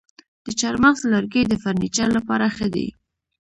د چهارمغز لرګی د فرنیچر لپاره ښه دی.